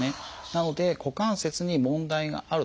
なので股関節に問題があるとですね